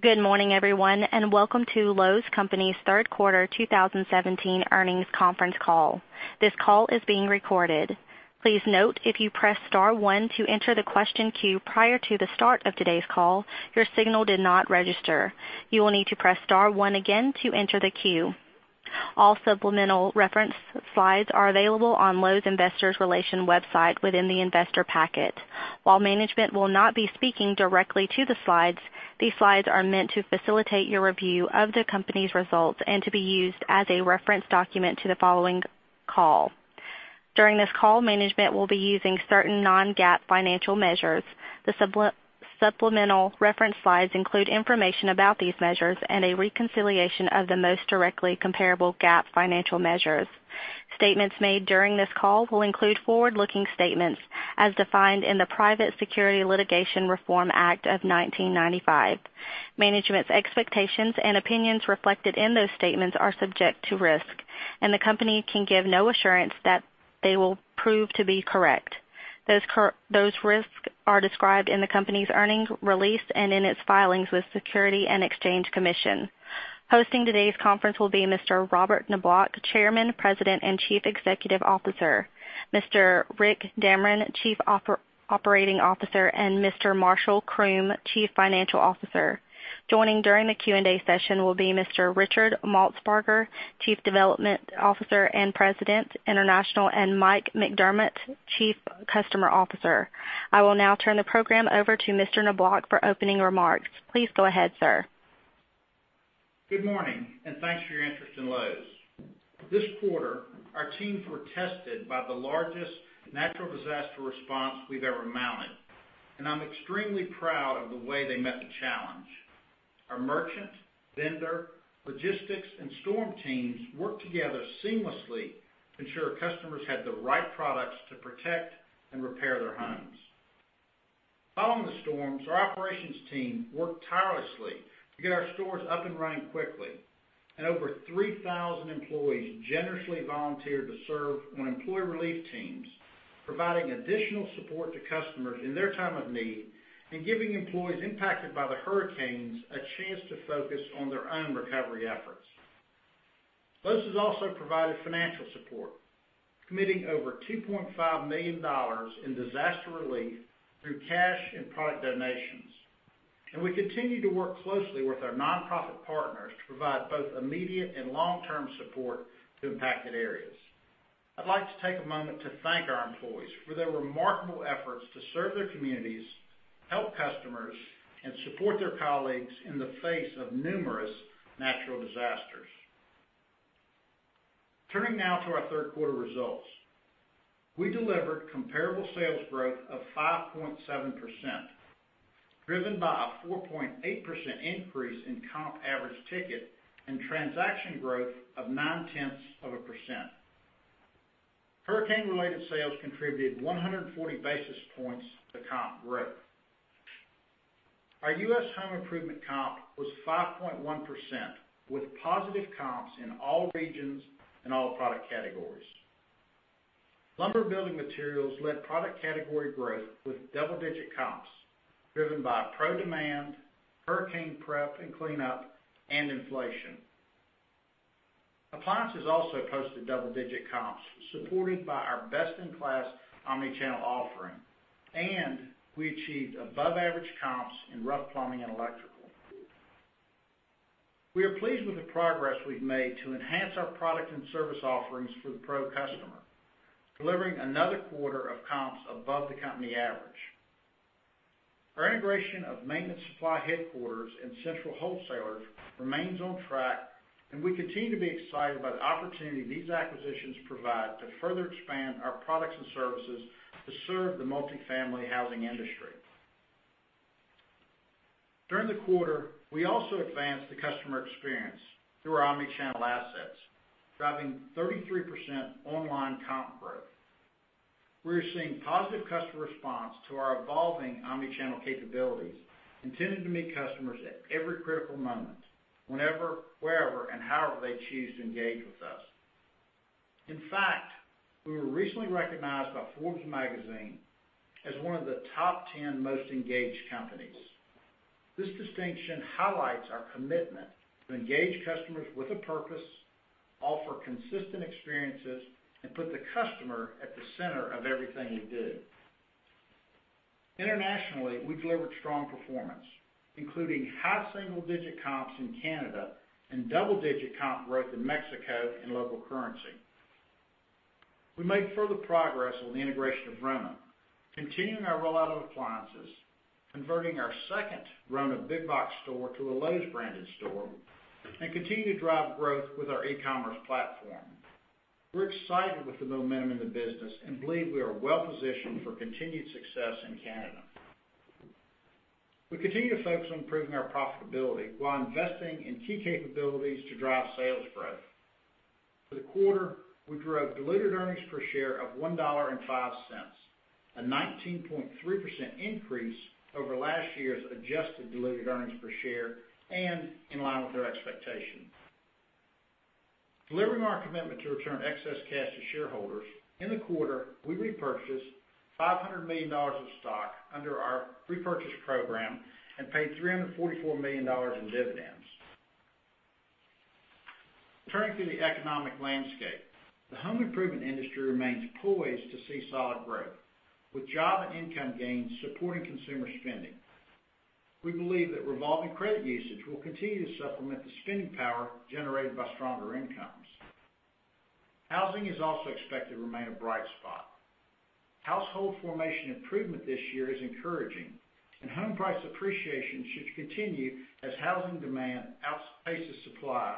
Good morning, everyone, and welcome to Lowe's Companies' third quarter 2017 earnings conference call. This call is being recorded. Please note, if you pressed star one to enter the question queue prior to the start of today's call, your signal did not register. You will need to press star one again to enter the queue. All supplemental reference slides are available on Lowe's Investors Relation website within the investor packet. While management will not be speaking directly to the slides, these slides are meant to facilitate your review of the company's results and to be used as a reference document to the following call. During this call, management will be using certain non-GAAP financial measures. The supplemental reference slides include information about these measures and a reconciliation of the most directly comparable GAAP financial measures. Statements made during this call will include forward-looking statements as defined in the Private Securities Litigation Reform Act of 1995. Management's expectations and opinions reflected in those statements are subject to risk, and the company can give no assurance that they will prove to be correct. Those risks are described in the company's earnings release and in its filings with Securities and Exchange Commission. Hosting today's conference will be Mr. Robert Niblock, Chairman, President, and Chief Executive Officer, Mr. Rick Damron, Chief Operating Officer, and Mr. Marshall Croom, Chief Financial Officer. Joining during the Q&A session will be Mr. Richard Maltsbarger, Chief Development Officer and President, International, and Mike McDermott, Chief Customer Officer. I will now turn the program over to Mr. Niblock for opening remarks. Please go ahead, sir. Good morning. Thanks for your interest in Lowe's. This quarter, our teams were tested by the largest natural disaster response we've ever mounted, and I'm extremely proud of the way they met the challenge. Our merchant, vendor, logistics, and storm teams worked together seamlessly to ensure customers had the right products to protect and repair their homes. Following the storms, our operations team worked tirelessly to get our stores up and running quickly. Over 3,000 employees generously volunteered to serve on employee relief teams, providing additional support to customers in their time of need and giving employees impacted by the hurricanes a chance to focus on their own recovery efforts. Lowe's has also provided financial support, committing over $2.5 million in disaster relief through cash and product donations. We continue to work closely with our nonprofit partners to provide both immediate and long-term support to impacted areas. I'd like to take a moment to thank our employees for their remarkable efforts to serve their communities, help customers, and support their colleagues in the face of numerous natural disasters. Turning now to our third quarter results. We delivered comparable sales growth of 5.7%, driven by a 4.8% increase in comp average ticket and transaction growth of nine-tenths of a percent. Hurricane-related sales contributed 140 basis points to comp growth. Our U.S. home improvement comp was 5.1%, with positive comps in all regions and all product categories. Lumber building materials led product category growth with double-digit comps driven by pro demand, hurricane prep and cleanup, and inflation. Appliances also posted double-digit comps supported by our best-in-class omni-channel offering, and we achieved above-average comps in rough plumbing and electrical. We are pleased with the progress we've made to enhance our product and service offerings for the pro customer, delivering another quarter of comps above the company average. Our integration of Maintenance Supply Headquarters and Central Wholesalers remains on track, and we continue to be excited about the opportunity these acquisitions provide to further expand our products and services to serve the multifamily housing industry. During the quarter, we also advanced the customer experience through our omni-channel assets, driving 33% online comp growth. We are seeing positive customer response to our evolving omni-channel capabilities intended to meet customers at every critical moment, whenever, wherever, and however they choose to engage with us. In fact, we were recently recognized by Forbes magazine as one of the top 10 most engaged companies. This distinction highlights our commitment to engage customers with a purpose, offer consistent experiences, and put the customer at the center of everything we do. Internationally, we delivered strong performance, including high single-digit comps in Canada and double-digit comp growth in Mexico in local currency. We made further progress on the integration of Rona, continuing our rollout of appliances, converting our second Rona big box store to a Lowe's branded store and continue to drive growth with our e-commerce platform. We're excited with the momentum in the business and believe we are well positioned for continued success in Canada. We continue to focus on improving our profitability while investing in key capabilities to drive sales growth. For the quarter, we grew a diluted earnings per share of $1.05, a 19.3% increase over last year's adjusted diluted earnings per share and in line with our expectations. Delivering our commitment to return excess cash to shareholders, in the quarter, we repurchased $500 million of stock under our repurchase program and paid $344 million in dividends. Turning to the economic landscape, the home improvement industry remains poised to see solid growth with job and income gains supporting consumer spending. We believe that revolving credit usage will continue to supplement the spending power generated by stronger incomes. Housing is also expected to remain a bright spot. Household formation improvement this year is encouraging, and home price appreciation should continue as housing demand outpaces supply,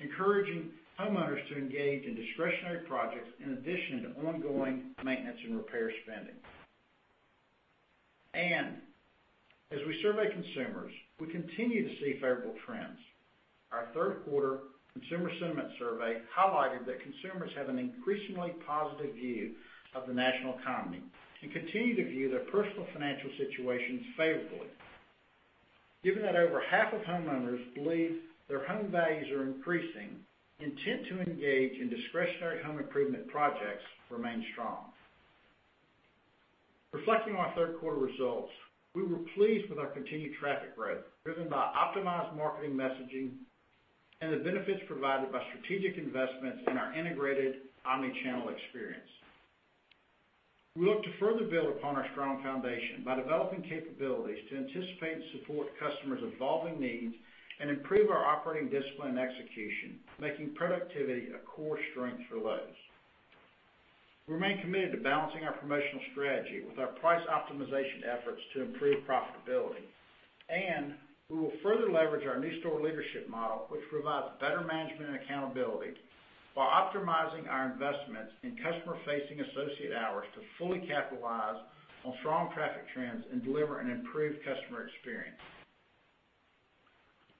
encouraging homeowners to engage in discretionary projects in addition to ongoing maintenance and repair spending. As we survey consumers, we continue to see favorable trends. Our third quarter Consumer Sentiment Survey highlighted that consumers have an increasingly positive view of the national economy and continue to view their personal financial situations favorably. Given that over half of homeowners believe their home values are increasing, intent to engage in discretionary home improvement projects remains strong. Reflecting our third quarter results, we were pleased with our continued traffic growth, driven by optimized marketing messaging and the benefits provided by strategic investments in our integrated omni-channel experience. We look to further build upon our strong foundation by developing capabilities to anticipate and support customers' evolving needs and improve our operating discipline and execution, making productivity a core strength for Lowe's. We remain committed to balancing our promotional strategy with our price optimization efforts to improve profitability, and we will further leverage our new store leadership model, which provides better management and accountability while optimizing our investments in customer-facing associate hours to fully capitalize on strong traffic trends and deliver an improved customer experience.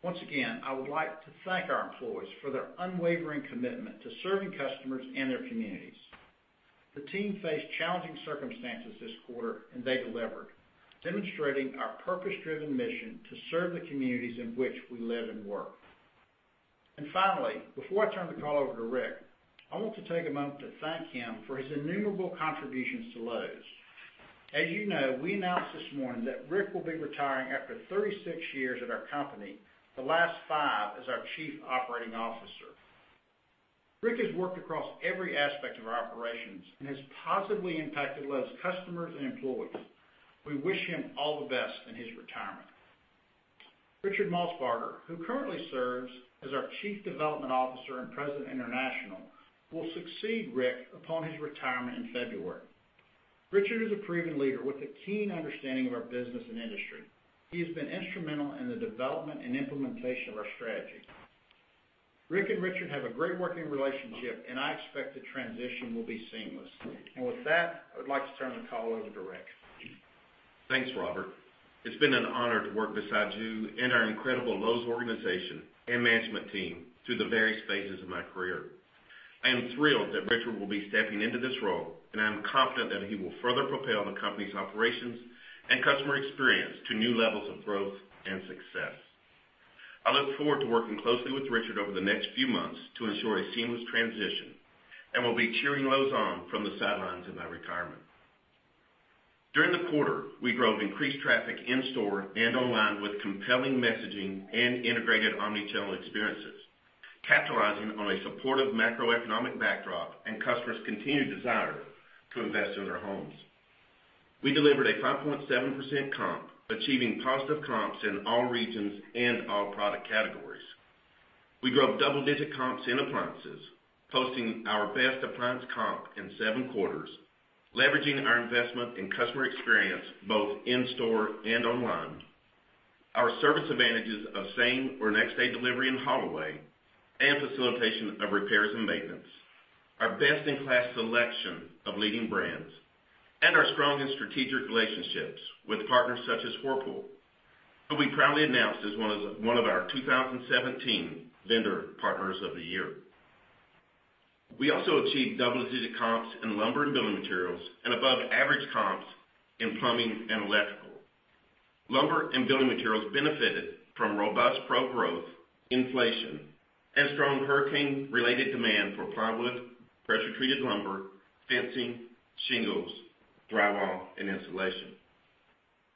Once again, I would like to thank our employees for their unwavering commitment to serving customers and their communities. The team faced challenging circumstances this quarter, they delivered, demonstrating our purpose-driven mission to serve the communities in which we live and work. Finally, before I turn the call over to Rick, I want to take a moment to thank him for his innumerable contributions to Lowe's. As you know, we announced this morning that Rick will be retiring after 36 years at our company, the last five as our Chief Operating Officer. Rick has worked across every aspect of our operations and has positively impacted Lowe's customers and employees. We wish him all the best in his retirement. Richard Maltsbarger, who currently serves as our Chief Development Officer and President International, will succeed Rick upon his retirement in February. Richard is a proven leader with a keen understanding of our business and industry. He has been instrumental in the development and implementation of our strategy. Rick and Richard have a great working relationship, I expect the transition will be seamless. With that, I would like to turn the call over to Rick. Thanks, Robert. It's been an honor to work beside you and our incredible Lowe's organization and management team through the various phases of my career. I am thrilled that Richard will be stepping into this role, I am confident that he will further propel the company's operations and customer experience to new levels of growth and success. I look forward to working closely with Richard over the next few months to ensure a seamless transition and will be cheering Lowe's on from the sidelines in my retirement. During the quarter, we drove increased traffic in store and online with compelling messaging and integrated omni-channel experiences, capitalizing on a supportive macroeconomic backdrop and customers' continued desire to invest in their homes. We delivered a 5.7% comp, achieving positive comps in all regions and all product categories. We drove double-digit comps in appliances, posting our best appliance comp in seven quarters, leveraging our investment in customer experience, both in store and online. Our service advantages of same or next-day delivery and haul away and facilitation of repairs and maintenance, our best-in-class selection of leading brands, and our strong and strategic relationships with partners such as Whirlpool, who we proudly announced as one of our 2017 Vendor Partners of the Year. We also achieved double-digit comps in lumber and building materials and above-average comps in plumbing and electrical. Lumber and building materials benefited from robust pro growth, inflation, and strong hurricane-related demand for plywood, pressure-treated lumber, fencing, shingles, drywall, and insulation.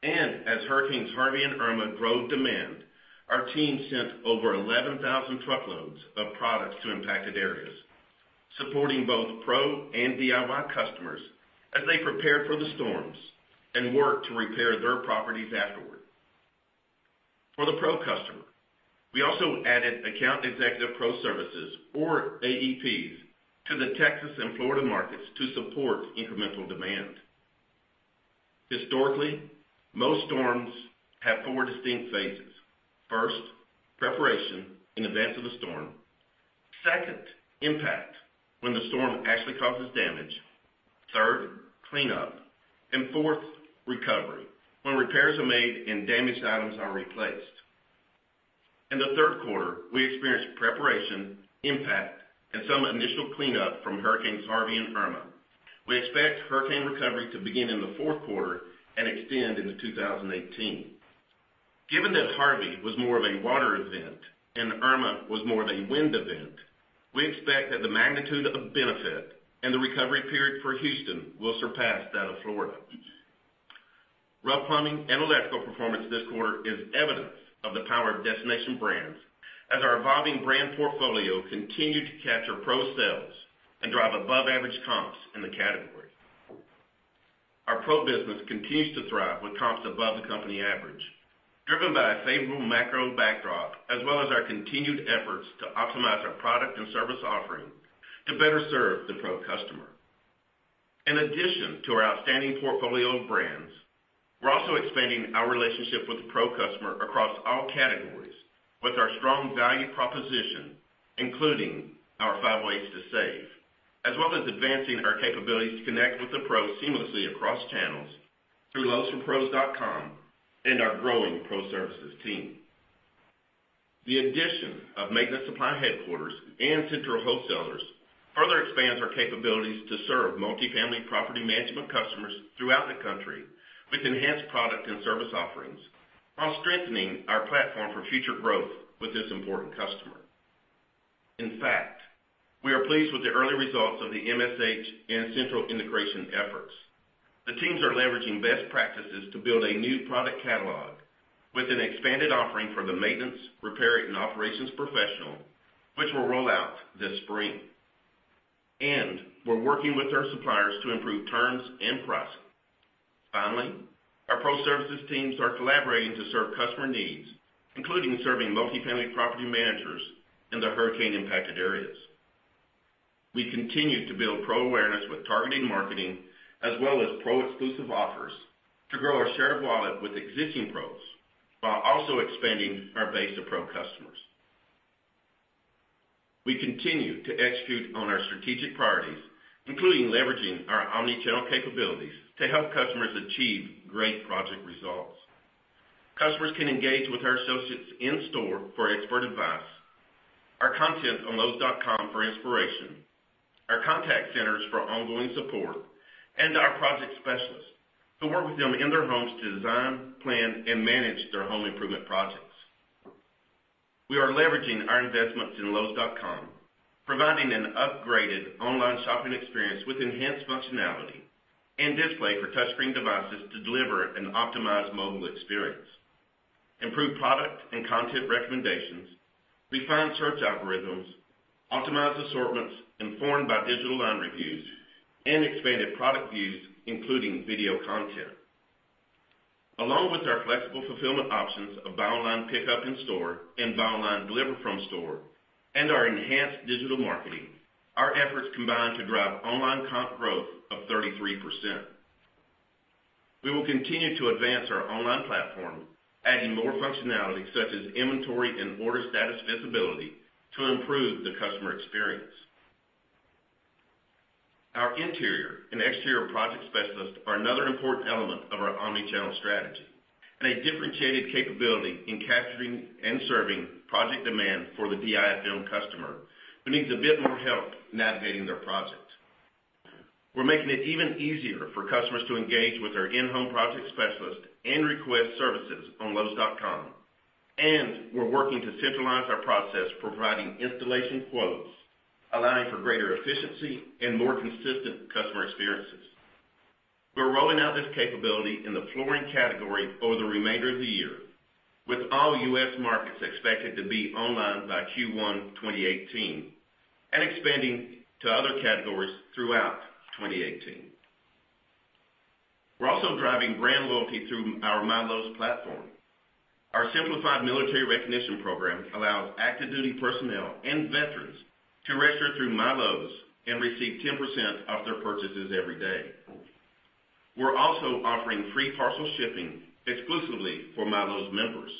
As hurricanes Harvey and Irma drove demand, our team sent over 11,000 truckloads of products to impacted areas, supporting both pro and DIY customers as they prepared for the storms and worked to repair their properties afterward. For the pro customer, we also added Account Executive Pro services, or AEPs, to the Texas and Florida markets to support incremental demand. Historically, most storms have four distinct phases. First, preparation in advance of the storm. Second, impact when the storm actually causes damage. Third, cleanup. Fourth, recovery, when repairs are made and damaged items are replaced. In the third quarter, we experienced preparation, impact, and some initial cleanup from hurricanes Harvey and Irma. We expect hurricane recovery to begin in the fourth quarter and extend into 2018. Given that Harvey was more of a water event and Irma was more of a wind event, we expect that the magnitude of benefit and the recovery period for Houston will surpass that of Florida. Rough plumbing and electrical performance this quarter is evidence of the power of destination brands as our evolving brand portfolio continued to capture pro sales and drive above average comps in the category. Our pro business continues to thrive with comps above the company average, driven by a favorable macro backdrop as well as our continued efforts to optimize our product and service offering to better serve the pro customer. In addition to our outstanding portfolio of brands, we're also expanding our relationship with the pro customer across all categories with our strong value proposition, including our five ways to save, as well as advancing our capabilities to connect with the pro seamlessly across channels through lowesforpros.com and our growing Pro Services team. The addition of Maintenance Supply Headquarters and Central Wholesalers further expands our capabilities to serve multifamily property management customers throughout the country with enhanced product and service offerings while strengthening our platform for future growth with this important customer. In fact, we are pleased with the early results of the MSH and Central integration efforts. The teams are leveraging best practices to build a new product catalog with an expanded offering for the maintenance, repair, and operations professional, which will roll out this spring. We're working with our suppliers to improve terms and pricing. Finally, our Pro Services teams are collaborating to serve customer needs, including serving multifamily property managers in the hurricane-impacted areas. We continue to build pro awareness with targeted marketing as well as pro exclusive offers to grow our share of wallet with existing pros, while also expanding our base of pro customers. We continue to execute on our strategic priorities, including leveraging our omni-channel capabilities to help customers achieve great project results. Customers can engage with our associates in store for expert advice, our content on lowes.com for inspiration, our contact centers for ongoing support, and our project specialists who work with them in their homes to design, plan, and manage their home improvement projects. We are leveraging our investments in lowes.com, providing an upgraded online shopping experience with enhanced functionality and display for touchscreen devices to deliver an optimized mobile experience, improved product and content recommendations, refined search algorithms, optimized assortments informed by digital online reviews, and expanded product views, including video content. Along with our flexible fulfillment options of buy online pickup in store and buy online deliver from store and our enhanced digital marketing, our efforts combine to drive online comp growth of 33%. We will continue to advance our online platform, adding more functionality such as inventory and order status visibility to improve the customer experience. Our interior and exterior project specialists are another important element of our omni-channel strategy and a differentiated capability in capturing and serving project demand for the DIFM customer who needs a bit more help navigating their project. We're making it even easier for customers to engage with our in-home project specialist and request services on lowes.com. We're working to centralize our process providing installation quotes, allowing for greater efficiency and more consistent customer experiences. We're rolling out this capability in the flooring category over the remainder of the year, with all U.S. markets expected to be online by Q1 2018 and expanding to other categories throughout 2018. We're also driving brand loyalty through our MyLowe's platform. Our simplified military recognition program allows active duty personnel and veterans to register through MyLowe's and receive 10% off their purchases every day. We're also offering free parcel shipping exclusively for MyLowe's members.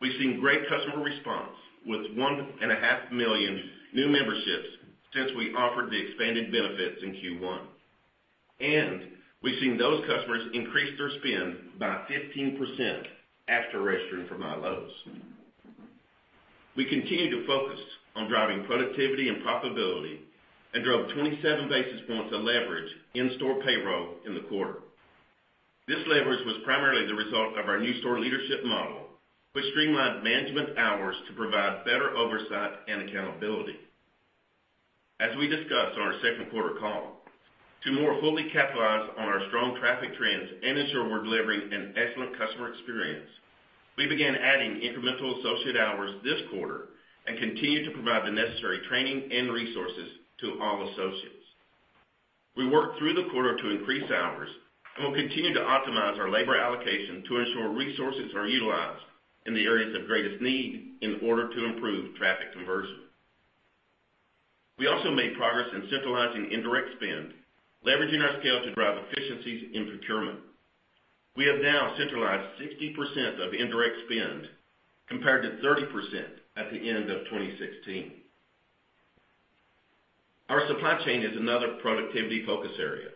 We've seen great customer response with 1.5 million new memberships since we offered the expanded benefits in Q1. We've seen those customers increase their spend by 15% after registering for MyLowe's. We continue to focus on driving productivity and profitability and drove 27 basis points of leverage in store payroll in the quarter. This leverage was primarily the result of our new store leadership model, which streamlined management hours to provide better oversight and accountability. As we discussed on our second quarter call, to more fully capitalize on our strong traffic trends and ensure we're delivering an excellent customer experience, we began adding incremental associate hours this quarter and continue to provide the necessary training and resources to all associates. We worked through the quarter to increase hours and will continue to optimize our labor allocation to ensure resources are utilized in the areas of greatest need in order to improve traffic conversion. We also made progress in centralizing indirect spend, leveraging our scale to drive efficiencies in procurement. We have now centralized 60% of indirect spend compared to 30% at the end of 2016. Our supply chain is another productivity focus area,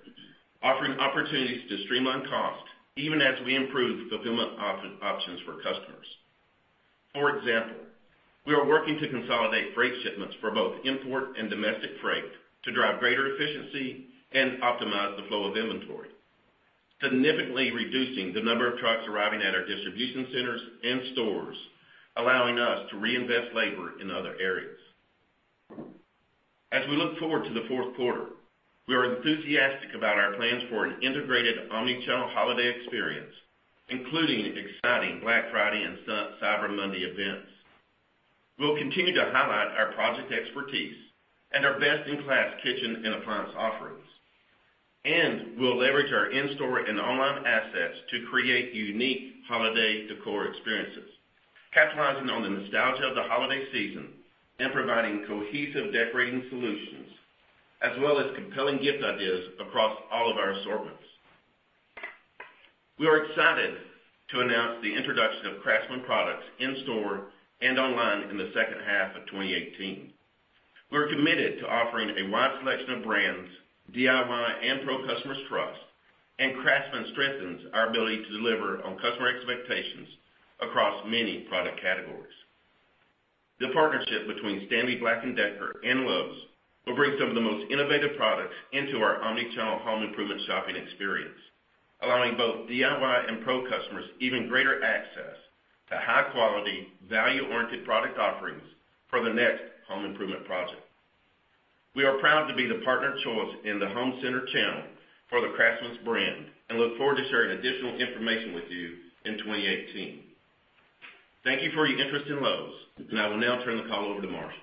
offering opportunities to streamline cost even as we improve fulfillment options for customers. For example, we are working to consolidate freight shipments for both import and domestic freight to drive greater efficiency and optimize the flow of inventory, significantly reducing the number of trucks arriving at our distribution centers and stores, allowing us to reinvest labor in other areas. As we look forward to the fourth quarter, we are enthusiastic about our plans for an integrated omni-channel holiday experience, including exciting Black Friday and Cyber Monday events. We'll continue to highlight our project expertise and our best-in-class kitchen and appliance offerings, and we'll leverage our in-store and online assets to create unique holiday decor experiences, capitalizing on the nostalgia of the holiday season and providing cohesive decorating solutions, as well as compelling gift ideas across all of our assortments. We are excited to announce the introduction of Craftsman products in store and online in the second half of 2018. We're committed to offering a wide selection of brands DIY and pro customers trust, and Craftsman strengthens our ability to deliver on customer expectations across many product categories. The partnership between Stanley Black & Decker and Lowe's will bring some of the most innovative products into our omni-channel home improvement shopping experience, allowing both DIY and pro customers even greater access to high-quality, value-oriented product offerings for their next home improvement project. We are proud to be the partner of choice in the home center channel for the Craftsman brand and look forward to sharing additional information with you in 2018. Thank you for your interest in Lowe's, and I will now turn the call over to Marshall.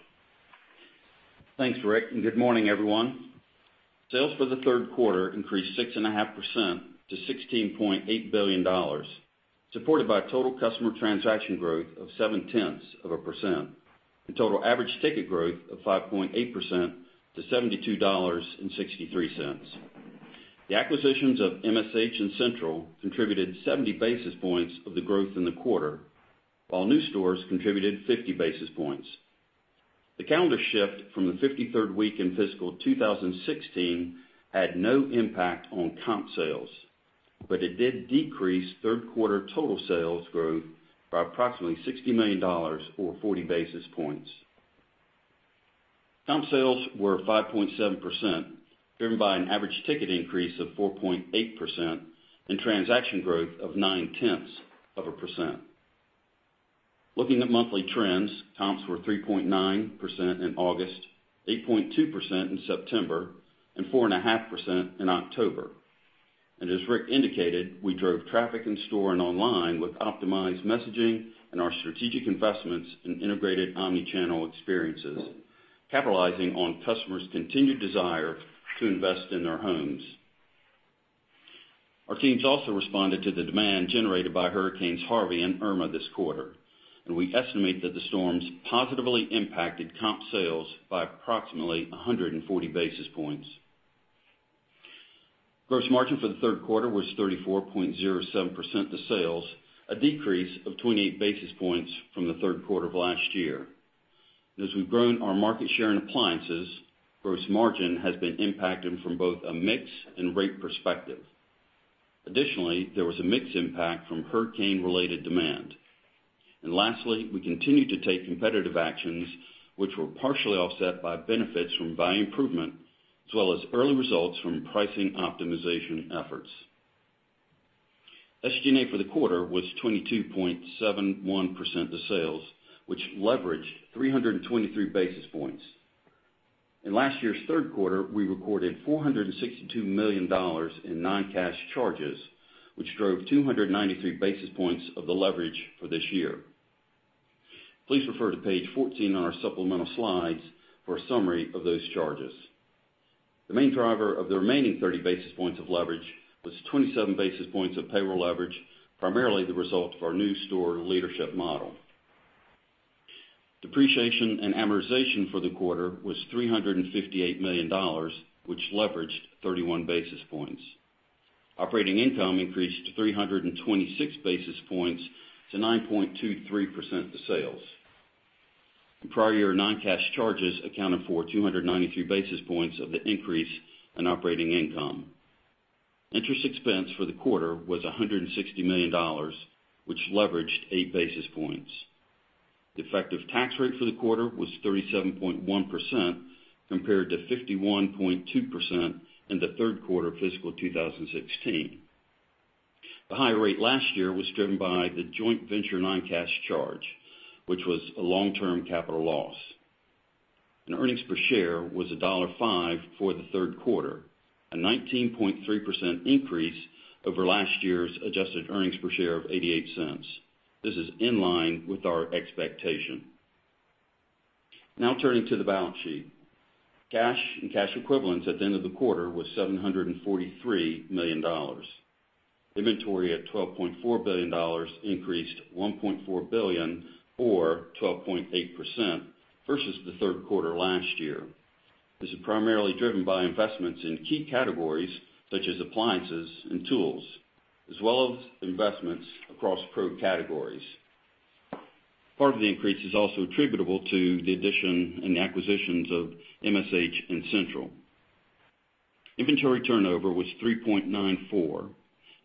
Thanks, Rick. Good morning, everyone. Sales for the third quarter increased 6.5% to $16.8 billion, supported by total customer transaction growth of 0.7% and total average ticket growth of 5.8% to $72.63. The acquisitions of MSH and Central contributed 70 basis points of the growth in the quarter, while new stores contributed 50 basis points. The calendar shift from the 53rd week in fiscal 2016 had no impact on comp sales, but it did decrease third quarter total sales growth by approximately $60 million or 40 basis points. Comp sales were 5.7%, driven by an average ticket increase of 4.8% and transaction growth of 0.9%. Looking at monthly trends, comps were 3.9% in August, 8.2% in September, and 4.5% in October. As Rick indicated, we drove traffic in store and online with optimized messaging and our strategic investments in integrated omni-channel experiences, capitalizing on customers' continued desire to invest in their homes. Our teams also responded to the demand generated by Hurricane Harvey and Hurricane Irma this quarter. We estimate that the storms positively impacted comp sales by approximately 140 basis points. Gross margin for the third quarter was 34.07% of sales, a decrease of 28 basis points from the third quarter of last year. As we've grown our market share in appliances, gross margin has been impacted from both a mix and rate perspective. Additionally, there was a mix impact from hurricane-related demand. Lastly, we continued to take competitive actions, which were partially offset by benefits from volume improvement, as well as early results from pricing optimization efforts. SG&A for the quarter was 22.71% of sales, which leveraged 323 basis points. In last year's third quarter, we recorded $462 million in non-cash charges, which drove 293 basis points of the leverage for this year. Please refer to page 14 on our supplemental slides for a summary of those charges. The main driver of the remaining 30 basis points of leverage was 27 basis points of payroll leverage, primarily the result of our new store leadership model. Depreciation and amortization for the quarter was $358 million, which leveraged 31 basis points. Operating income increased to 326 basis points to 9.23% of sales. The prior year non-cash charges accounted for 293 basis points of the increase in operating income. Interest expense for the quarter was $160 million, which leveraged eight basis points. The effective tax rate for the quarter was 37.1%, compared to 51.2% in the third quarter of fiscal 2016. The high rate last year was driven by the joint venture non-cash charge, which was a long-term capital loss. Earnings per share was $1.05 for the third quarter, a 19.3% increase over last year's adjusted earnings per share of $0.88. This is in line with our expectation. Now turning to the balance sheet. Cash and cash equivalents at the end of the quarter was $743 million. Inventory at $12.4 billion increased $1.4 billion or 12.8% versus the third quarter last year. This is primarily driven by investments in key categories such as appliances and tools, as well as investments across pro categories. Part of the increase is also attributable to the addition and the acquisitions of MSH and Central. Inventory turnover was 3.94,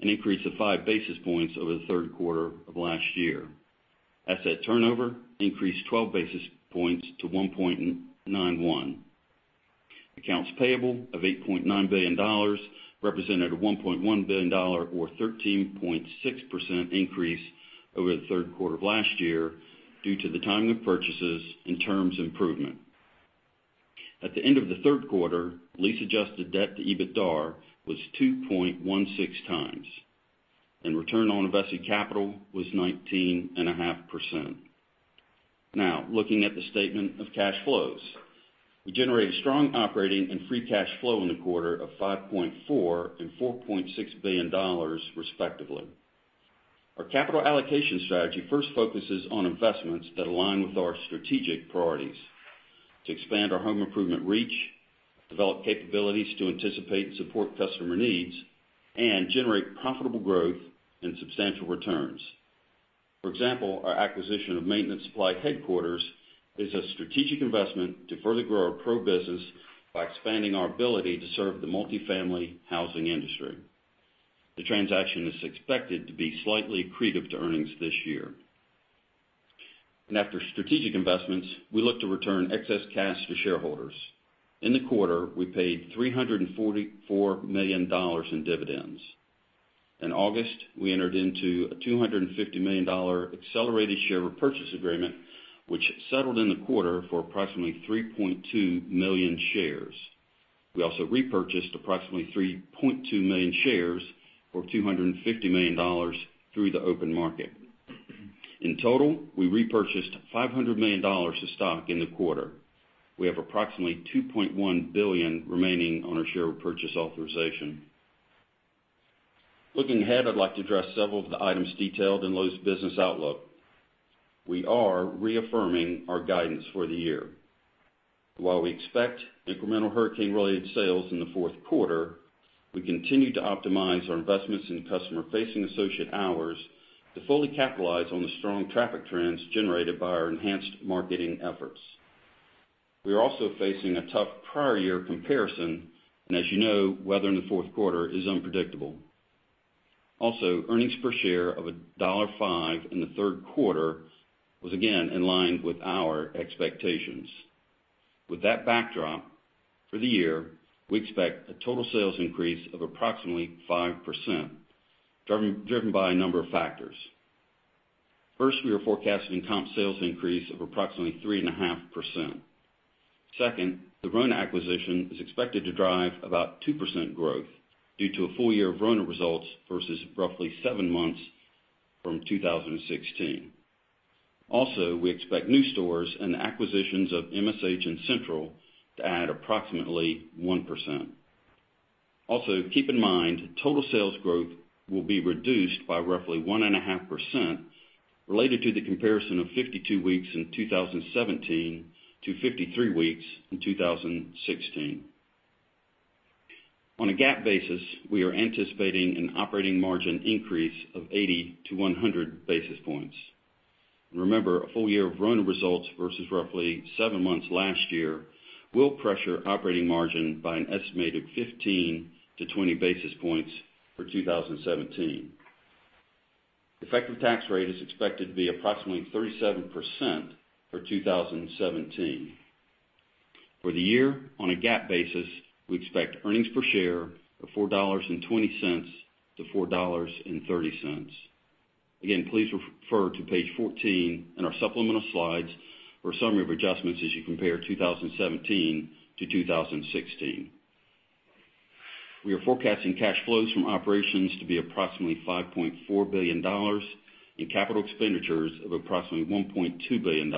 an increase of five basis points over the third quarter of last year. Asset turnover increased 12 basis points to 1.91. Accounts payable of $8.9 billion represented a $1.1 billion or 13.6% increase over the third quarter of last year due to the timing of purchases and terms improvement. At the end of the third quarter, lease-adjusted debt to EBITDA was 2.16 times, and return on invested capital was 19.5%. Now, looking at the statement of cash flows. We generated strong operating and free cash flow in the quarter of $5.4 billion and $4.6 billion respectively. Our capital allocation strategy first focuses on investments that align with our strategic priorities to expand our home improvement reach, develop capabilities to anticipate and support customer needs, and generate profitable growth and substantial returns. For example, our acquisition of Maintenance Supply Headquarters is a strategic investment to further grow our pro business by expanding our ability to serve the multifamily housing industry. The transaction is expected to be slightly accretive to earnings this year. After strategic investments, we look to return excess cash to shareholders. In the quarter, we paid $344 million in dividends. In August, we entered into a $250 million accelerated share repurchase agreement, which settled in the quarter for approximately 3.2 million shares. We also repurchased approximately 3.2 million shares or $250 million through the open market. In total, we repurchased $500 million of stock in the quarter. We have approximately 2.1 billion remaining on our share repurchase authorization. Looking ahead, I'd like to address several of the items detailed in Lowe's business outlook. We are reaffirming our guidance for the year. While we expect incremental hurricane-related sales in the fourth quarter, we continue to optimize our investments in customer-facing associate hours to fully capitalize on the strong traffic trends generated by our enhanced marketing efforts. We are also facing a tough prior year comparison, and as you know, weather in the fourth quarter is unpredictable. Also, earnings per share of $1.05 in the third quarter was again in line with our expectations. With that backdrop, for the year, we expect a total sales increase of approximately 5%, driven by a number of factors. First, we are forecasting comp sales increase of approximately 3.5%. Second, the Rona acquisition is expected to drive about 2% growth due to a full year of Rona results versus roughly seven months from 2016. Also, we expect new stores and acquisitions of MSH and Central to add approximately 1%. Keep in mind total sales growth will be reduced by roughly 1.5% related to the comparison of 52 weeks in 2017 to 53 weeks in 2016. On a GAAP basis, we are anticipating an operating margin increase of 80 to 100 basis points. Remember, a full year of Rona results versus roughly seven months last year will pressure operating margin by an estimated 15 to 20 basis points for 2017. Effective tax rate is expected to be approximately 37% for 2017. For the year, on a GAAP basis, we expect earnings per share of $4.20 to $4.30. Again, please refer to page 14 in our supplemental slides for a summary of adjustments as you compare 2017 to 2016. We are forecasting cash flows from operations to be approximately $5.4 billion and capital expenditures of approximately $1.2 billion.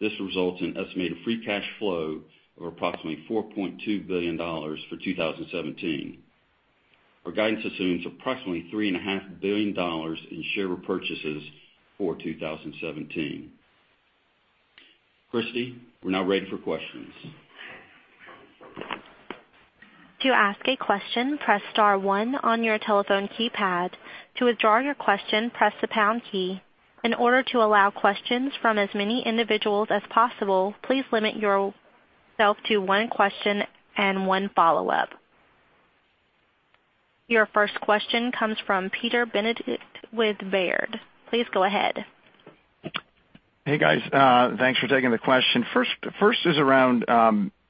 This results in estimated free cash flow of approximately $4.2 billion for 2017. Our guidance assumes approximately $3.5 billion in share repurchases for 2017. Christy, we're now ready for questions. To ask a question, press star one on your telephone keypad. To withdraw your question, press the pound key. In order to allow questions from as many individuals as possible, please limit yourself to one question and one follow-up. Your first question comes from Peter Benedict with Baird. Please go ahead. Hey, guys. Thanks for taking the question. First is around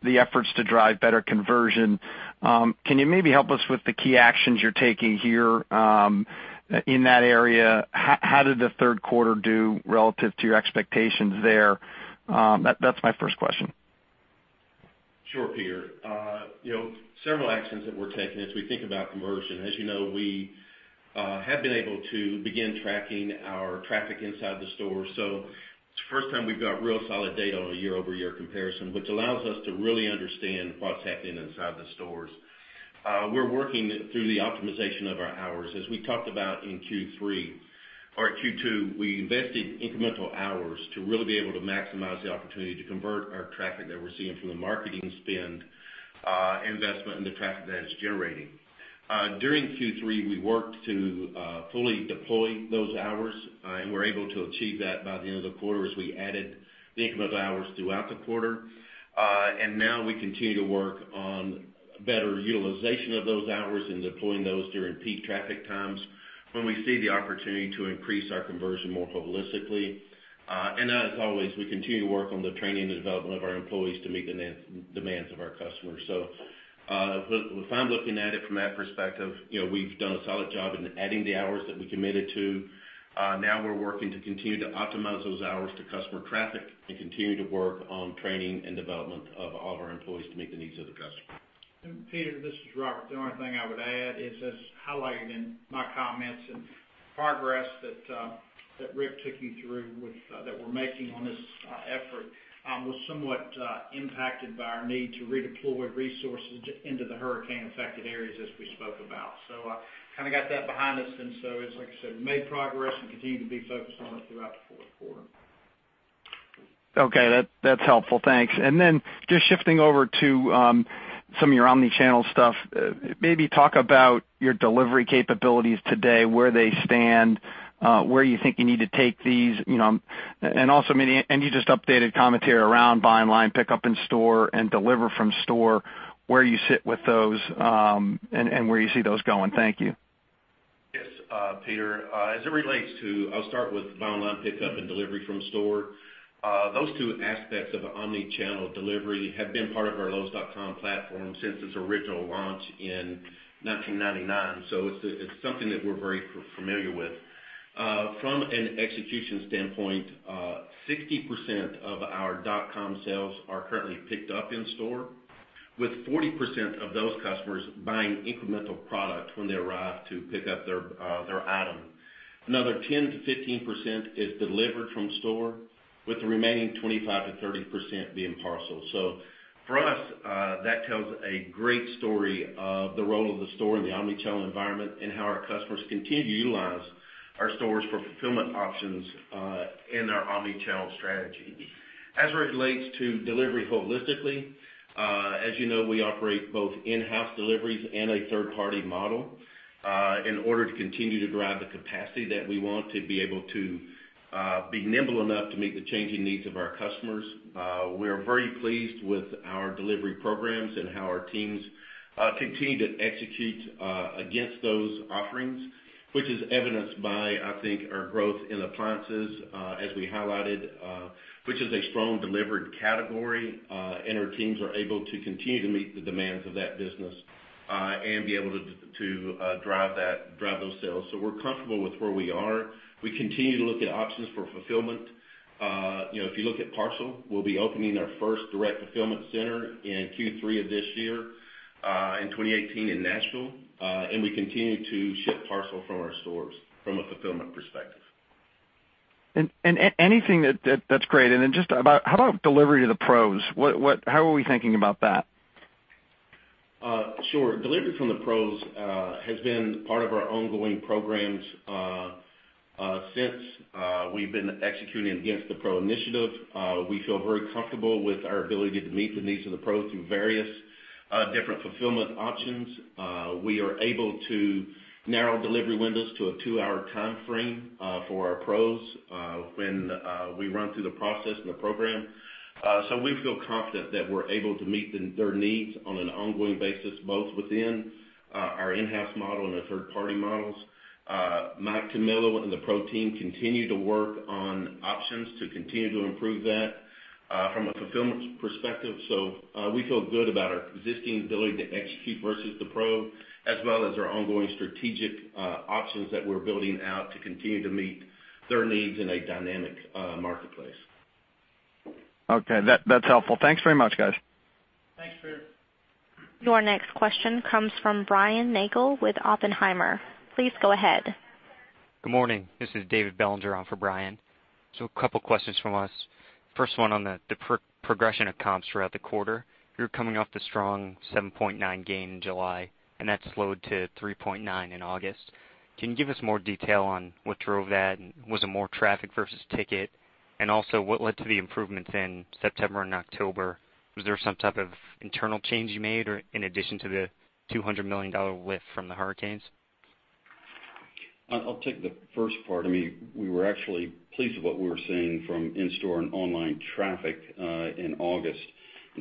the efforts to drive better conversion. Can you maybe help us with the key actions you're taking here in that area? How did the third quarter do relative to your expectations there? That's my first question. Sure, Peter. Several actions that we're taking as we think about conversion. As you know, we have been able to begin tracking our traffic inside the store. It's the first time we've got real solid data on a year-over-year comparison, which allows us to really understand what's happening inside the stores. We're working through the optimization of our hours. As we talked about in Q2, we invested incremental hours to really be able to maximize the opportunity to convert our traffic that we're seeing from the marketing spend investment and the traffic that it's generating. During Q3, we worked to fully deploy those hours, and we're able to achieve that by the end of the quarter as we added the incremental hours throughout the quarter. Now we continue to work on Better utilization of those hours and deploying those during peak traffic times when we see the opportunity to increase our conversion more holistically. As always, we continue to work on the training and development of our employees to meet the demands of our customers. If I'm looking at it from that perspective, we've done a solid job in adding the hours that we committed to. Now we're working to continue to optimize those hours to customer traffic and continue to work on training and development of all of our employees to meet the needs of the customer. Peter, this is Robert. The only thing I would add is, as highlighted in my comments and progress that Rick took you through that we're making on this effort, was somewhat impacted by our need to redeploy resources into the hurricane-affected areas as we spoke about. Kind of got that behind us. As, like I said, we made progress and continue to be focused on it throughout the fourth quarter. Okay. That's helpful. Thanks. Just shifting over to some of your omnichannel stuff, maybe talk about your delivery capabilities today, where they stand, where you think you need to take these. Also, maybe any just updated commentary around buy online pick up in store and deliver from store, where you sit with those, and where you see those going. Thank you. Yes, Peter. As it relates to, I'll start with buy online pick up and delivery from store. Those two aspects of omnichannel delivery have been part of our lowes.com platform since its original launch in 1999. It's something that we're very familiar with. From an execution standpoint, 60% of our .com sales are currently picked up in store, with 40% of those customers buying incremental product when they arrive to pick up their item. Another 10%-15% is delivered from store, with the remaining 25%-30% being parcel. For us, that tells a great story of the role of the store in the omnichannel environment and how our customers continue to utilize our stores for fulfillment options in our omnichannel strategy. As it relates to delivery holistically, as you know, we operate both in-house deliveries and a third-party model, in order to continue to drive the capacity that we want to be able to be nimble enough to meet the changing needs of our customers. We are very pleased with our delivery programs and how our teams continue to execute against those offerings, which is evidenced by, I think, our growth in appliances, as we highlighted, which is a strong delivered category. Our teams are able to continue to meet the demands of that business, and be able to drive those sales. We're comfortable with where we are. We continue to look at options for fulfillment. If you look at parcel, we'll be opening our first direct fulfillment center in Q3 of this year, in 2018, in Nashville. We continue to ship parcel from our stores from a fulfillment perspective. That's great. Just how about delivery to the pros? How are we thinking about that? Sure. Delivery from the pros has been part of our ongoing programs since we've been executing against the pro initiative. We feel very comfortable with our ability to meet the needs of the pros through various different fulfillment options. We are able to narrow delivery windows to a two-hour timeframe for our pros when we run through the process and the program. We feel confident that we're able to meet their needs on an ongoing basis, both within our in-house model and the third-party models. Mike Tummillo and the pro team continue to work on options to continue to improve that from a fulfillment perspective. We feel good about our existing ability to execute versus the pro, as well as our ongoing strategic options that we're building out to continue to meet their needs in a dynamic marketplace. Okay. That's helpful. Thanks very much, guys. Thanks, Peter. Your next question comes from Brian Nagel with Oppenheimer. Please go ahead. Good morning. This is David Bellinger on for Brian. A couple of questions from us. First one on the progression of comps throughout the quarter. You are coming off the strong 7.9% gain in July, and that slowed to 3.9% in August. Can you give us more detail on what drove that, and was it more traffic versus ticket? Also what led to the improvements in September and October? Was there some type of internal change you made in addition to the $200 million lift from the hurricanes? I will take the first part. We were actually pleased with what we were seeing from in-store and online traffic in August.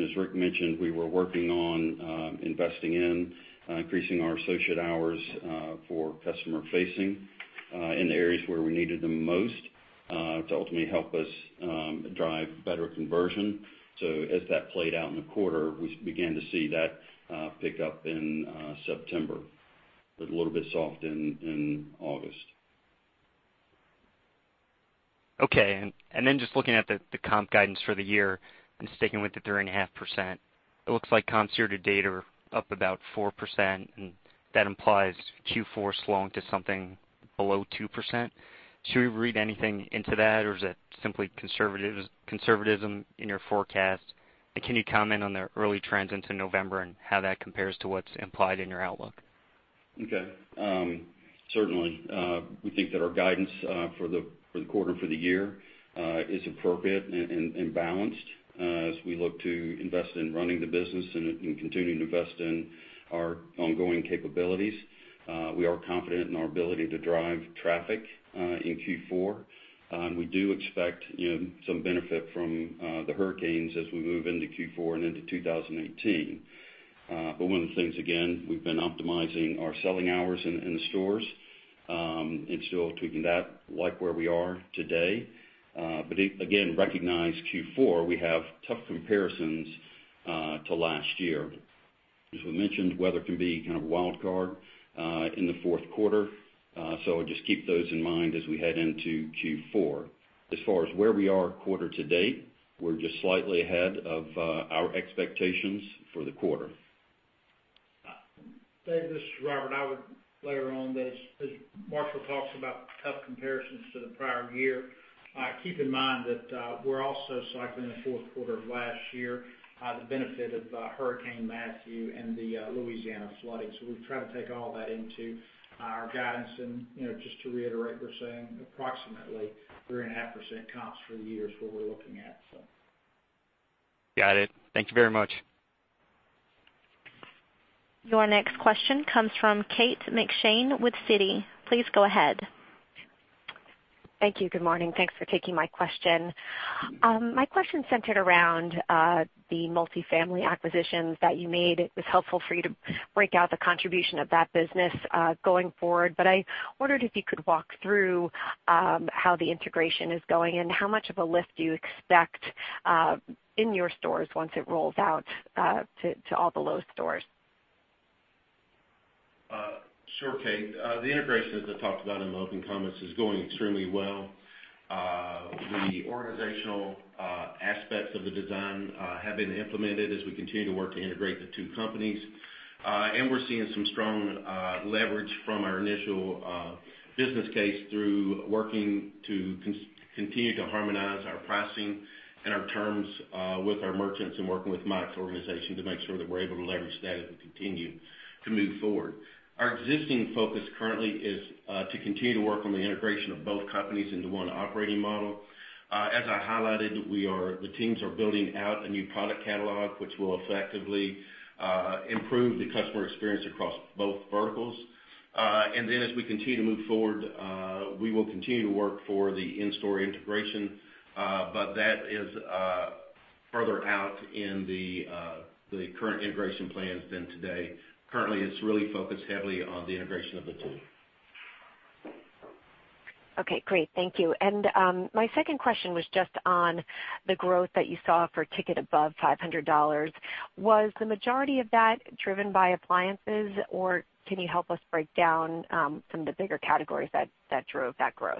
As Rick mentioned, we were working on investing in increasing our associate hours for customer facing in the areas where we needed them most to ultimately help us drive better conversion. As that played out in the quarter, we began to see that pick up in September. It was a little bit soft in August. Okay. Then just looking at the comp guidance for the year and sticking with the 3.5%, it looks like comps year-to-date are up about 4%, and that implies Q4 slowing to something below 2%. Should we read anything into that, or is it simply conservatism in your forecast? Can you comment on the early trends into November and how that compares to what is implied in your outlook? Okay. Certainly. We think that our guidance for the quarter and for the year is appropriate and balanced as we look to invest in running the business and continuing to invest in our ongoing capabilities. We are confident in our ability to drive traffic in Q4. We do expect some benefit from the hurricanes as we move into Q4 and into 2018. One of the things, again, we've been optimizing our selling hours in the stores Tweaking that, like where we are today. Again, recognize Q4, we have tough comparisons to last year. As we mentioned, weather can be kind of a wild card in the fourth quarter. Just keep those in mind as we head into Q4. As far as where we are quarter to date, we're just slightly ahead of our expectations for the quarter. David, this is Robert. I would layer on that as Marshall talks about tough comparisons to the prior year, keep in mind that we're also cycling the fourth quarter of last year, the benefit of Hurricane Matthew and the Louisiana flooding. We try to take all that into our guidance. Just to reiterate, we're saying approximately 3.5% comps for the year is what we're looking at. Got it. Thank you very much. Your next question comes from Kate McShane with Citi. Please go ahead. Thank you. Good morning. Thanks for taking my question. My question centered around the multifamily acquisitions that you made. It was helpful for you to break out the contribution of that business going forward, but I wondered if you could walk through how the integration is going and how much of a lift do you expect in your stores once it rolls out to all the Lowe's stores? Sure, Kate. The integration, as I talked about in my opening comments, is going extremely well. The organizational aspects of the design have been implemented as we continue to work to integrate the two companies. We're seeing some strong leverage from our initial business case through working to continue to harmonize our pricing and our terms with our merchants and working with Mike's organization to make sure that we're able to leverage that as we continue to move forward. Our existing focus currently is to continue to work on the integration of both companies into one operating model. As I highlighted, the teams are building out a new product catalog, which will effectively improve the customer experience across both verticals. As we continue to move forward, we will continue to work for the in-store integration. That is further out in the current integration plans than today. Currently, it's really focused heavily on the integration of the two. Okay, great. Thank you. My second question was just on the growth that you saw for ticket above $500. Was the majority of that driven by appliances, or can you help us break down some of the bigger categories that drove that growth?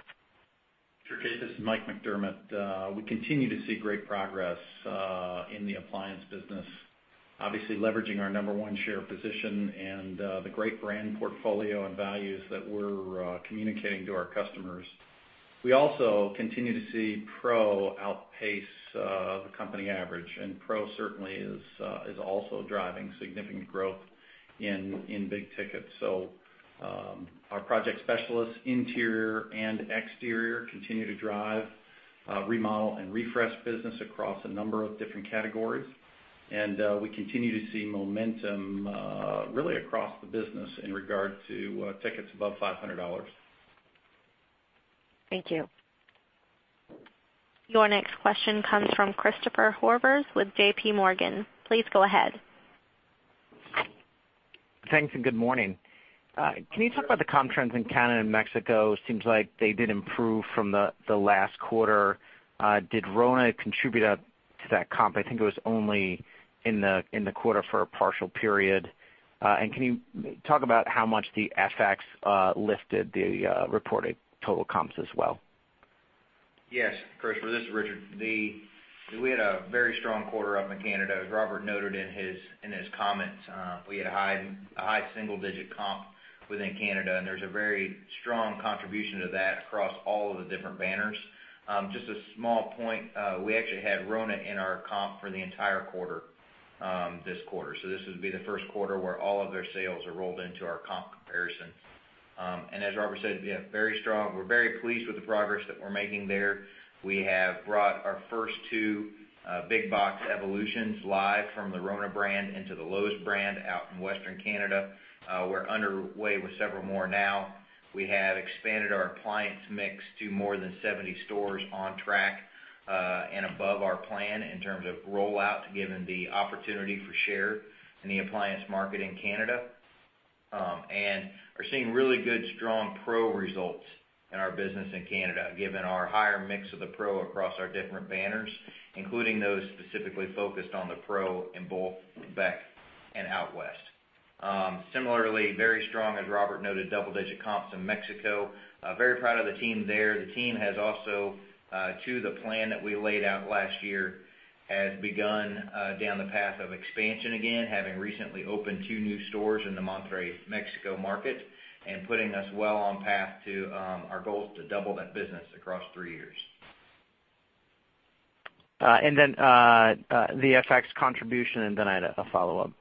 Sure, Kate. This is Mike McDermott. We continue to see great progress in the appliance business, obviously leveraging our number one share position and the great brand portfolio and values that we're communicating to our customers. Pro certainly is also driving significant growth in big ticket. Our project specialists, interior and exterior, continue to drive remodel and refresh business across a number of different categories. We continue to see momentum really across the business in regard to tickets above $500. Thank you. Your next question comes from Christopher Horvers with JPMorgan. Please go ahead. Thanks and good morning. Can you talk about the comp trends in Canada and Mexico? Seems like they did improve from the last quarter. Did Rona contribute to that comp? I think it was only in the quarter for a partial period. Can you talk about how much the FX lifted the reported total comps as well? Yes, Christopher, this is Richard. We had a very strong quarter up in Canada. As Robert noted in his comments, we had a high single-digit comp within Canada, and there's a very strong contribution to that across all of the different banners. Just a small point, we actually had Rona in our comp for the entire quarter this quarter. This would be the first quarter where all of their sales are rolled into our comp comparison. As Robert said, very strong. We're very pleased with the progress that we're making there. We have brought our first two big box evolutions live from the Rona brand into the Lowe's brand out in Western Canada. We're underway with several more now. We have expanded our appliance mix to more than 70 stores on track, and above our plan in terms of rollout, given the opportunity for share in the appliance market in Canada. We're seeing really good, strong pro results in our business in Canada, given our higher mix of the pro across our different banners, including those specifically focused on the pro in both Quebec and out West. Similarly, very strong, as Robert noted, double-digit comps in Mexico. Very proud of the team there. The team has also, to the plan that we laid out last year, has begun down the path of expansion again, having recently opened two new stores in the Monterrey, Mexico market and putting us well on path to our goal to double that business across three years. The FX contribution, and then I had a follow-up.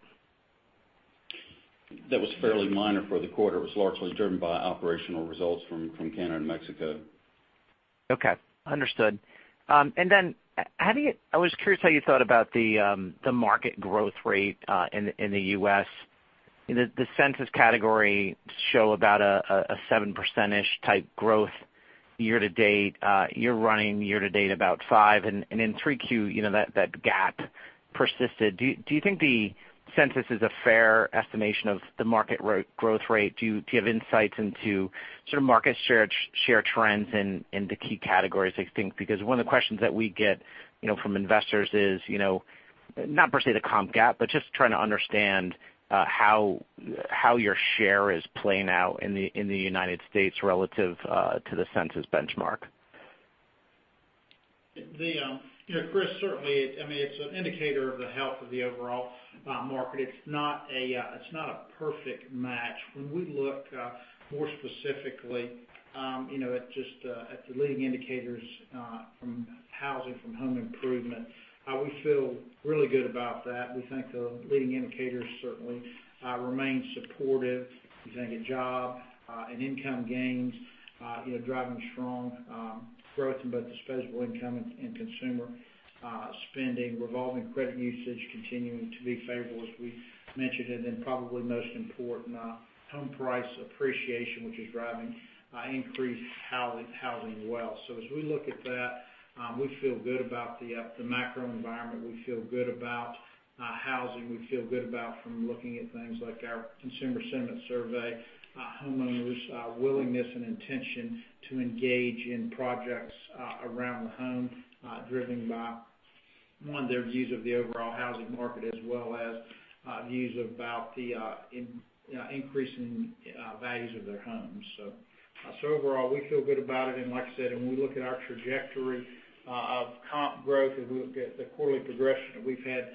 That was fairly minor for the quarter. It was largely driven by operational results from Canada and Mexico. Okay. Understood. I was curious how you thought about the market growth rate in the U.S. The Census category show about a seven%-ish type growth year-to-date, you're running year-to-date about five, and in Q3, that gap persisted. Do you think the census is a fair estimation of the market growth rate? Do you have insights into sort of market share trends in the key categories, I think? One of the questions that we get from investors is, not per se the comp gap, but just trying to understand how your share is playing out in the United States relative to the census benchmark. Chris, certainly, it's an indicator of the health of the overall market. It's not a perfect match. When we look more specifically at the leading indicators from housing, from home improvement, we feel really good about that. We think the leading indicators certainly remain supportive. We think job and income gains driving strong growth in both disposable income and consumer spending, revolving credit usage continuing to be favorable, as we mentioned. Probably most important, home price appreciation, which is driving increased housing wealth. As we look at that, we feel good about the macro environment. We feel good about housing. We feel good about from looking at things like our consumer sentiment survey, homeowners' willingness and intention to engage in projects around the home, driven by, one, their views of the overall housing market, as well as views about the increasing values of their homes. Overall, we feel good about it. Like I said, when we look at our trajectory of comp growth and we look at the quarterly progression that we've had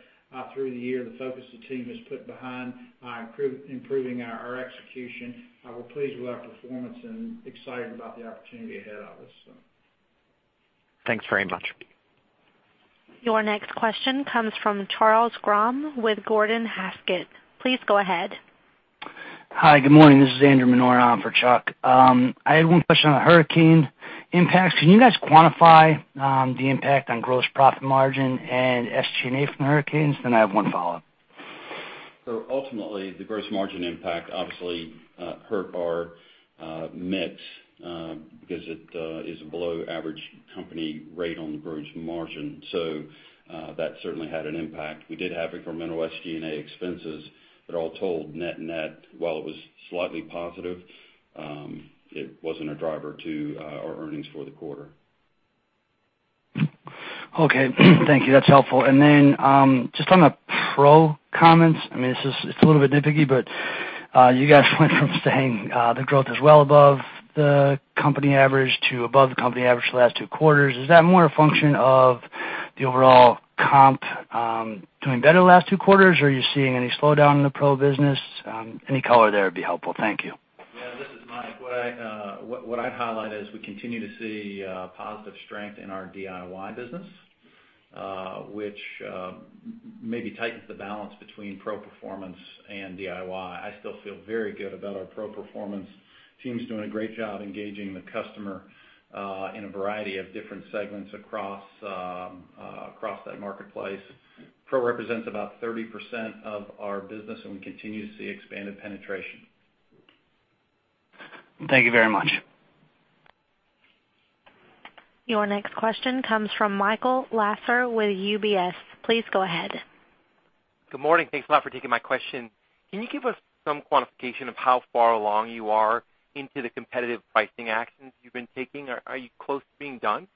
through the year, the focus the team has put behind improving our execution, we're pleased with our performance and excited about the opportunity ahead of us, so. Thanks very much. Your next question comes from Charles Grom with Gordon Haskett. Please go ahead. Hi, good morning. This is Andrew Menard on for Chuck. I had one question on the hurricane impacts. Can you guys quantify the impact on gross profit margin and SG&A from the hurricanes? I have one follow-up. Ultimately, the gross margin impact obviously hurt our mix because it is below average company rate on the gross margin. That certainly had an impact. We did have incremental SG&A expenses that all told net net, while it was slightly positive, it wasn't a driver to our earnings for the quarter. Okay, thank you. That's helpful. Just on the pro comments, it's a little bit nitpicky, but you guys went from saying the growth is well above the company average to above the company average the last two quarters. Is that more a function of the overall comp doing better the last two quarters, or are you seeing any slowdown in the pro business? Any color there would be helpful. Thank you. Yeah, this is Mike. What I'd highlight is we continue to see positive strength in our DIY business, which maybe tightens the balance between pro performance and DIY. I still feel very good about our pro performance. Team's doing a great job engaging the customer in a variety of different segments across that marketplace. Pro represents about 30% of our business and we continue to see expanded penetration. Thank you very much. Your next question comes from Michael Lasser with UBS. Please go ahead. Good morning. Thanks a lot for taking my question. Can you give us some quantification of how far along you are into the competitive pricing actions you've been taking? Are you close to being done?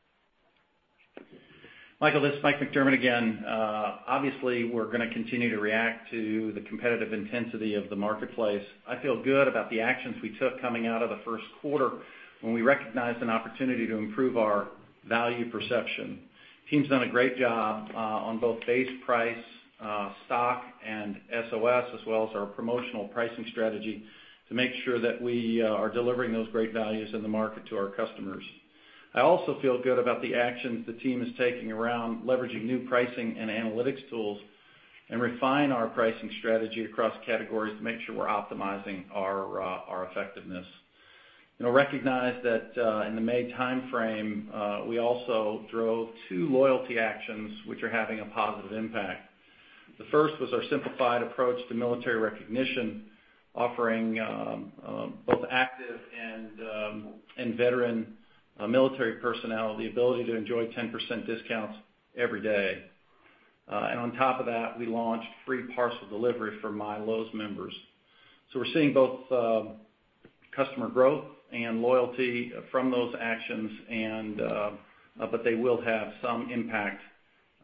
Michael, this is Mike McDermott again. Obviously, we're going to continue to react to the competitive intensity of the marketplace. I feel good about the actions we took coming out of the first quarter when we recognized an opportunity to improve our value perception. Team's done a great job on both base price stock and SOS, as well as our promotional pricing strategy to make sure that we are delivering those great values in the market to our customers. I also feel good about the actions the team is taking around leveraging new pricing and analytics tools and refine our pricing strategy across categories to make sure we're optimizing our effectiveness. You'll recognize that in the May timeframe, we also drove two loyalty actions, which are having a positive impact. The first was our simplified approach to military recognition, offering both active and veteran military personnel the ability to enjoy 10% discounts every day. On top of that, we launched free parcel delivery for MyLowe's members. We're seeing both customer growth and loyalty from those actions, they will have some impact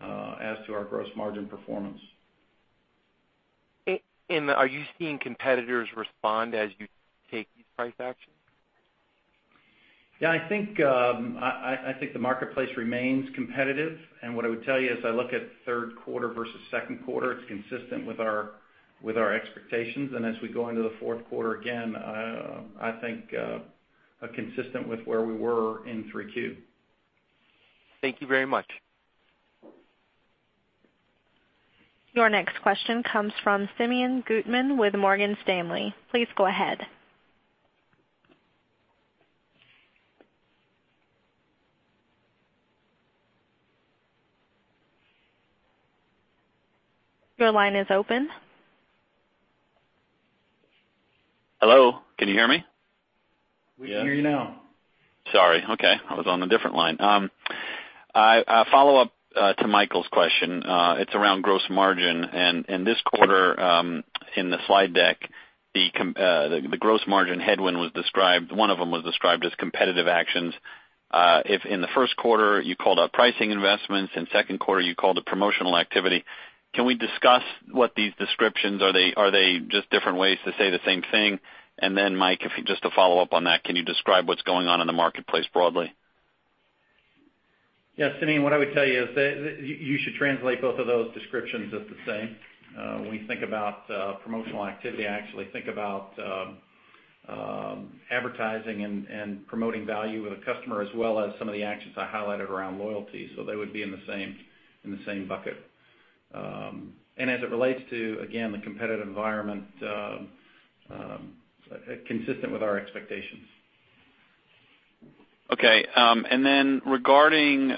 as to our gross margin performance. Are you seeing competitors respond as you take these price actions? Yeah, I think the marketplace remains competitive. What I would tell you as I look at third quarter versus second quarter, it's consistent with our expectations. As we go into the fourth quarter, again, I think consistent with where we were in Q3. Thank you very much. Your next question comes from Simeon Gutman with Morgan Stanley. Please go ahead. Your line is open. Hello, can you hear me? We can hear you now. Sorry. Okay. I was on a different line. A follow-up to Michael's question. It's around gross margin. This quarter, in the slide deck, the gross margin headwind, one of them was described as competitive actions. If in the first quarter you called out pricing investments, in second quarter, you called it promotional activity. Can we discuss what these descriptions are? Are they just different ways to say the same thing? Then, Mike, just to follow up on that, can you describe what's going on in the marketplace broadly? Yes, Simeon, what I would tell you is that you should translate both of those descriptions as the same. When we think about promotional activity, I actually think about advertising and promoting value of the customer, as well as some of the actions I highlighted around loyalty. They would be in the same bucket. As it relates to, again, the competitive environment, consistent with our expectations. Okay. Then regarding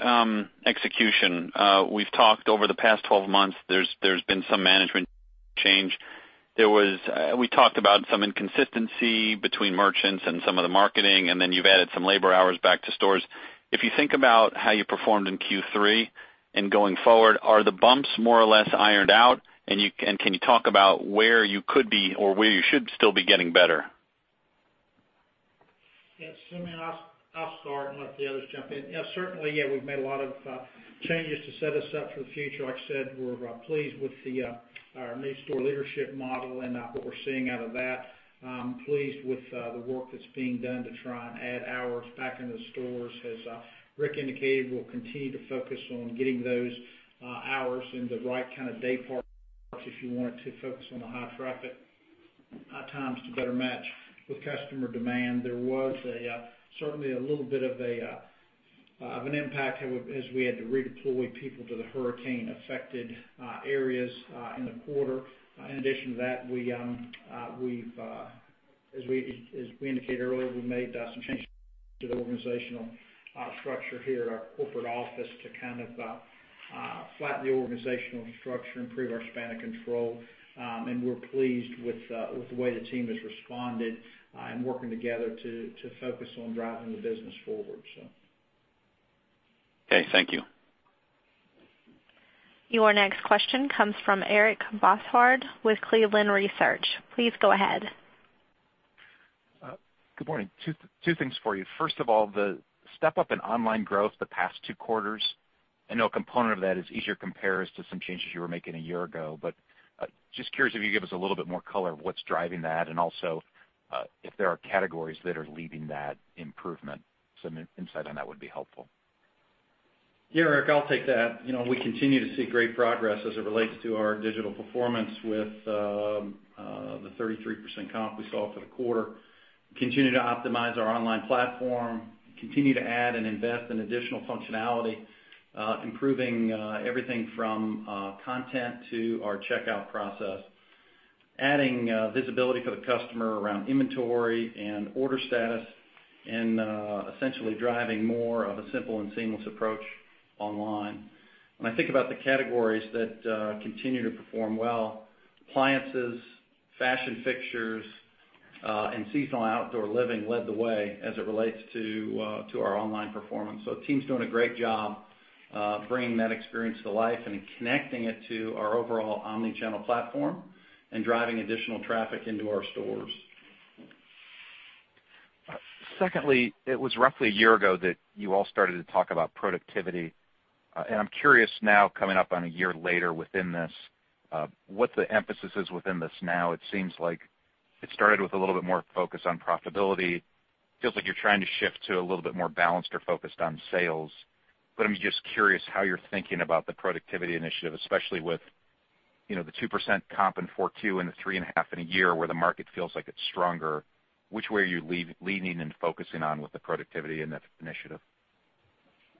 execution, we've talked over the past 12 months, there's been some management change. We talked about some inconsistency between merchants and some of the marketing, then you've added some labor hours back to stores. If you think about how you performed in Q3 and going forward, are the bumps more or less ironed out? Can you talk about where you could be or where you should still be getting better? Yes, Simeon, I'll start and let the others jump in. Certainly, we've made a lot of changes to set us up for the future. Like I said, we're pleased with our new store leadership model and what we're seeing out of that. I'm pleased with the work that's being done to try and add hours back into the stores. As Rick indicated, we'll continue to focus on getting those hours in the right day parts, if you want to focus on the high traffic times to better match with customer demand. There was certainly a little bit of an impact as we had to redeploy people to the hurricane-affected areas in the quarter. In addition to that, as we indicated earlier, we made some changes to the organizational structure here at our corporate office to flatten the organizational structure, improve our span of control. We're pleased with the way the team has responded and working together to focus on driving the business forward. Okay, thank you. Your next question comes from Eric Bosshard with Cleveland Research. Please go ahead. Good morning. Two things for you. First of all, the step-up in online growth the past 2 quarters, I know a component of that is easier compares to some changes you were making 1 year ago, but just curious if you could give us a little bit more color of what's driving that and also if there are categories that are leading that improvement. Some insight on that would be helpful. Yeah, Eric, I'll take that. We continue to see great progress as it relates to our digital performance with the 33% comp we saw for the quarter. Continue to optimize our online platform, continue to add and invest in additional functionality, improving everything from content to our checkout process. Adding visibility for the customer around inventory and order status, and essentially driving more of a simple and seamless approach online. When I think about the categories that continue to perform well, appliances, fashion fixtures, and seasonal outdoor living led the way as it relates to our online performance. The team's doing a great job bringing that experience to life and connecting it to our overall omni-channel platform and driving additional traffic into our stores. Secondly, it was roughly 1 year ago that you all started to talk about productivity. I'm curious now, coming up on 1 year later within this, what the emphasis is within this now. It seems like it started with a little bit more focus on profitability. Feels like you're trying to shift to a little bit more balanced or focused on sales. I'm just curious how you're thinking about the productivity initiative, especially with the 2% comp in 4.2% and the 3.5% in 1 year where the market feels like it's stronger. Which way are you leaning and focusing on with the productivity in that initiative?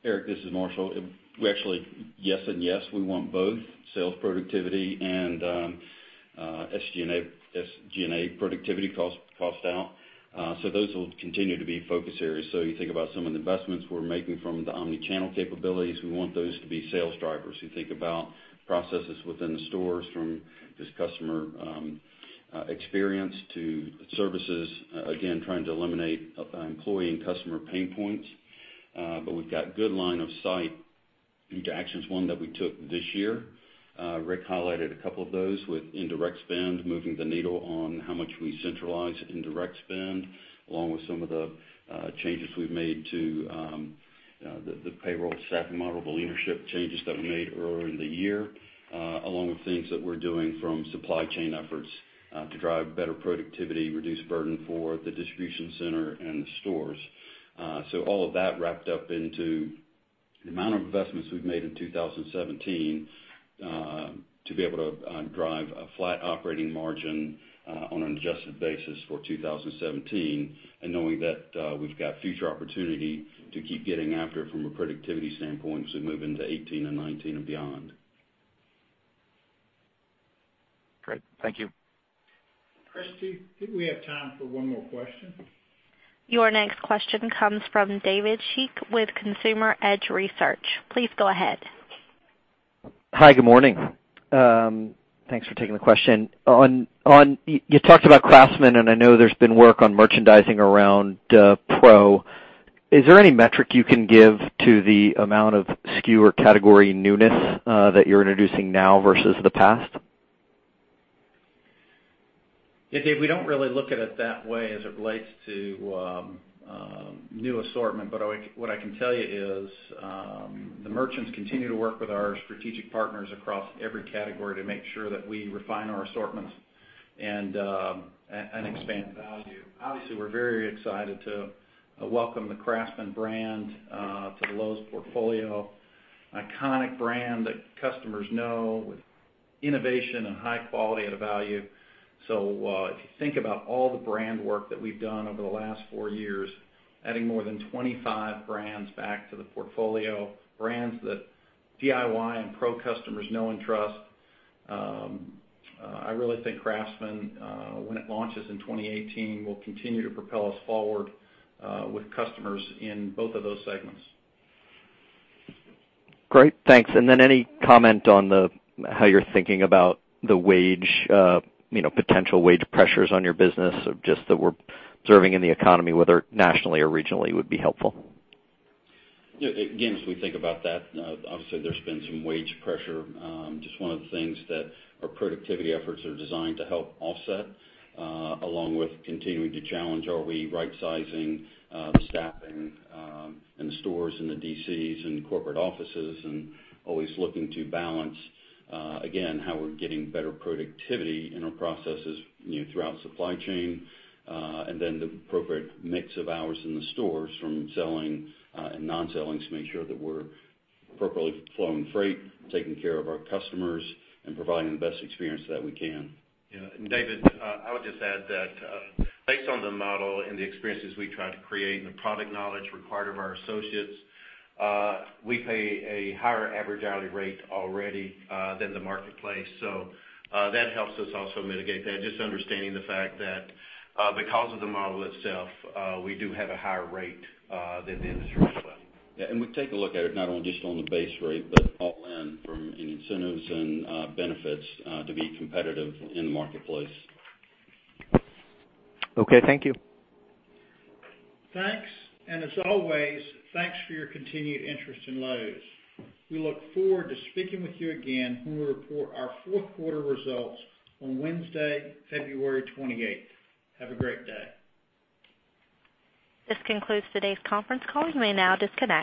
Eric, this is Marshall. We actually, yes and yes. We want both sales productivity and SG&A productivity cost out. Those will continue to be focus areas. You think about some of the investments we're making from the omni-channel capabilities. We want those to be sales drivers who think about processes within the stores from just customer experience to services. Again, trying to eliminate employee and customer pain points. We've got good line of sight into actions, 1 that we took this year. Rick highlighted a couple of those with indirect spend, moving the needle on how much we centralize indirect spend, along with some of the changes we've made to the payroll staffing model, the leadership changes that we made earlier in the year, along with things that we're doing from supply chain efforts to drive better productivity, reduce burden for the distribution center and the stores. All of that wrapped up into the amount of investments we've made in 2017 to be able to drive a flat operating margin on an adjusted basis for 2017 and knowing that we've got future opportunity to keep getting after it from a productivity standpoint as we move into 2018 and 2019 and beyond. Great. Thank you. Christy, I think we have time for one more question. Your next question comes from David Schick with Consumer Edge Research. Please go ahead. Hi, good morning. Thanks for taking the question. You talked about Craftsman, and I know there's been work on merchandising around Pro. Is there any metric you can give to the amount of SKU or category newness that you're introducing now versus the past? Yeah, Dave, we don't really look at it that way as it relates to new assortment. What I can tell you is the merchants continue to work with our strategic partners across every category to make sure that we refine our assortments and expand value. Obviously, we're very excited to welcome the Craftsman brand to the Lowe's portfolio. Iconic brand that customers know with innovation and high quality at a value. If you think about all the brand work that we've done over the last four years, adding more than 25 brands back to the portfolio, brands that DIY and Pro customers know and trust, I really think Craftsman, when it launches in 2018, will continue to propel us forward with customers in both of those segments. Great, thanks. Any comment on how you're thinking about the potential wage pressures on your business, just that we're observing in the economy, whether nationally or regionally, would be helpful. Again, as we think about that, obviously there's been some wage pressure. Just one of the things that our productivity efforts are designed to help offset, along with continuing to challenge are we right-sizing the staffing in the stores and the DCs and the corporate offices, and always looking to balance, again, how we're getting better productivity in our processes throughout supply chain. The appropriate mix of hours in the stores from selling and non-selling to make sure that we're appropriately flowing freight, taking care of our customers, and providing the best experience that we can. Yeah. David, I would just add that based on the model and the experiences we try to create and the product knowledge required of our associates, we pay a higher average hourly rate already than the marketplace. That helps us also mitigate that. Just understanding the fact that because of the model itself, we do have a higher rate than the industry as well. Yeah, we take a look at it not just on the base rate, but all in from incentives and benefits to be competitive in the marketplace. Okay, thank you. Thanks. As always, thanks for your continued interest in Lowe's. We look forward to speaking with you again when we report our fourth quarter results on Wednesday, February 28th. Have a great day. This concludes today's conference call. You may now disconnect.